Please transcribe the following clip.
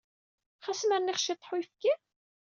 Xas ma rniɣ ciṭṭaḥ n uyefki?